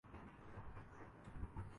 ایسے کیسے بتاؤں؟